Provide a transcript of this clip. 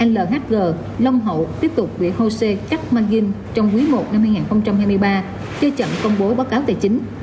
lhg long hậu tiếp tục bị hosea cắt mang ghing trong quý i năm hai nghìn hai mươi ba chưa chậm công bố báo cáo tài chính